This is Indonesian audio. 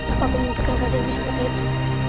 apa aku mengumpulkan kakak saya seperti itu